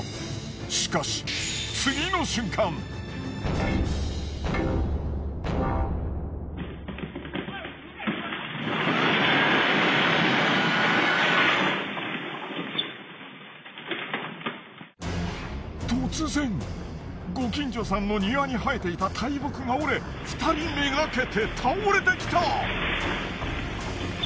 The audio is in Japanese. しかし突然ご近所さんの庭に生えていた大木が折れ２人目がけて倒れてきた！